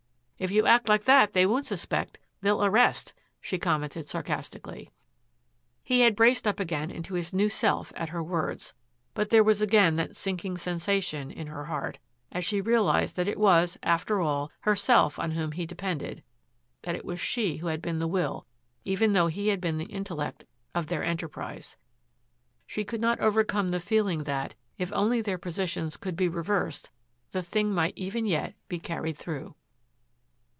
"If you act like that, they won't suspect. They'll arrest," she commented sarcastically. He had braced up again into his new self at her words. But there was again that sinking sensation in her heart, as she realized that it was, after all, herself on whom he depended, that it was she who had been the will, even though he had been the intellect of their enterprise. She could not overcome the feeling that, if only their positions could be reversed, the thing might even yet be carried through.